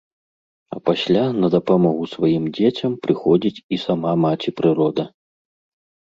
А пасля на дапамогу сваім дзецям прыходзіць і сама маці-прырода.